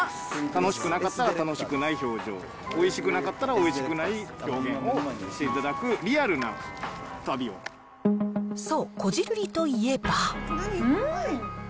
楽しくなかったら、楽しくない表情、おいしくなかったらおいしくない表現をしていただく、リアルな旅そう、こじるりといえば。